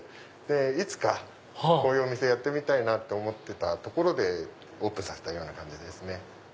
いつかこういうお店やってみたいと思ってたとこでオープンさせたような感じですね。